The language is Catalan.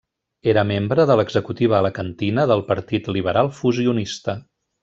Era membre de l'executiva alacantina del Partit Liberal Fusionista.